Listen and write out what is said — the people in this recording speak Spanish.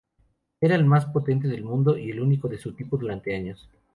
Era el más potente del mundo y el único de su tipo durante años.